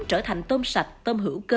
trở thành tôm sạch tôm hữu cơ